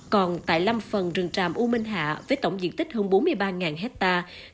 còn tại năm phần rừng tràm u minh hạ với tổng diện tích hơn bốn mươi ba hectare